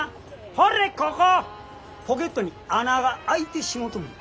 ポケットに穴が開いてしもとんねん。